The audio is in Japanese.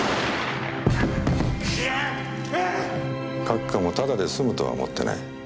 閣下もただで済むとは思ってない。